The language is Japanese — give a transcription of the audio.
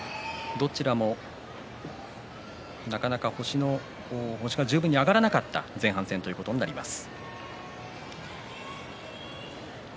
どちらもなかなか星が十分に上がらない前半戦ということになります。